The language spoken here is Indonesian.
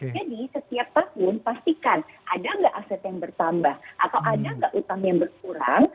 setiap tahun pastikan ada nggak aset yang bertambah atau ada nggak utang yang berkurang